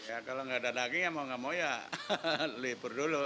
ya kalau nggak ada daging ya mau nggak mau ya libur dulu